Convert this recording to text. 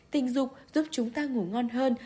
tình dục giúp chúng ta ngủ ngon hơn